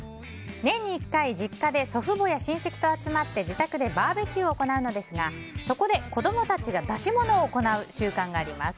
年に１回実家で祖父母や親戚と集まって自宅でバーベキューを行うのですがそこで子供たちが出し物を行う習慣があります。